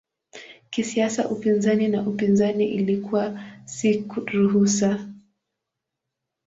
Kisiasa upinzani na upinzani ilikuwa si ruhusa.